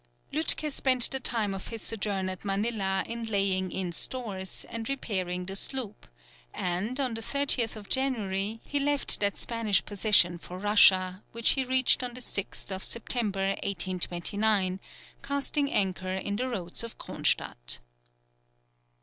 Lütke spent the time of his sojourn at Manilla in laying in stores, and repairing the sloop, and, on the 30th of January, he left that Spanish possession for Russia, which he reached on the 6th of September, 1829, casting anchor in the roads of Cronstadt.